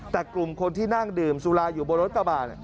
แต่กลุ่มคนที่นั่งดื่มสุราอยู่บนรถกระบาด